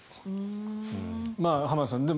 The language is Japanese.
浜田さん